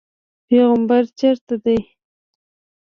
پیغمبر چېرته دی.